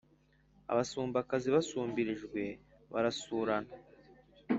abasumbakazi basumbirijwe barasurana